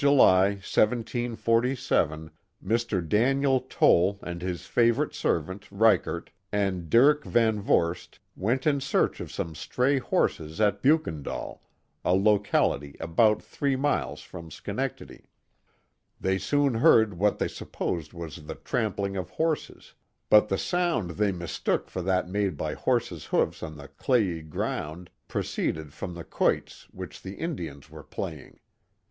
July, 1747, Mr. Daniel Toll and his favorite servant, Ryckert, and Diick Van Vorst went in search of some stray horses at Beukendaal, a locality about three miles from Schenectady. They soon heard what they supposed was the trampling of horses; but the sound they mistook for that made by horses* hoofs on the clayey ground proceeded from the quoits which the Indians were playing.